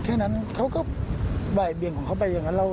แค่นั้นเขาก็บ่ายเบียงของเขาไปอย่างนั้น